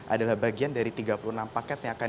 adalah bagian dari tiga puluh enam paket yang akan